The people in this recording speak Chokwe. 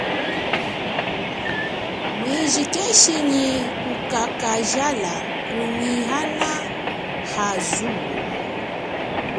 Mwiji keshi nyi kukakajala kunyina ha zuwo.